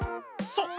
そう。